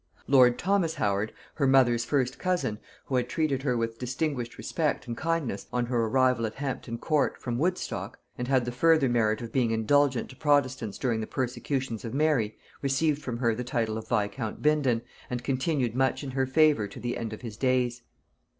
Lord Thomas Howard, her mother's first cousin, who had treated her with distinguished respect and kindness on her arrival at Hampton Court from Woodstock, and had the further merit of being indulgent to protestants during the persecutions of Mary, received from her the title of viscount Bindon, and continued much in her favor to the end of his days.